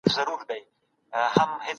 سوسیالیزم د فردي ازادۍ مخه ډپ کوي.